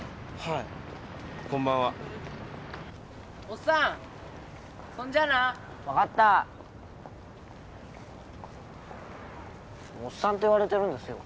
おっさんって言われてるんですよ